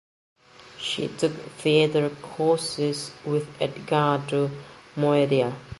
She took theater courses with Edgardo Moreira.